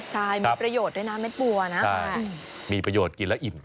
ใช่มีประโยชน์ด้วยนะเม็ดบัวนะมีประโยชน์กินแล้วอิ่ม